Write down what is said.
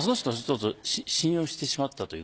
人を信用してしまった。